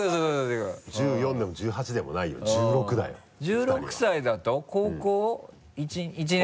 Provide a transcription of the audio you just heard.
１６歳だと高校１年？